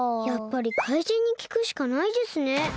やっぱり怪人にきくしかないですね。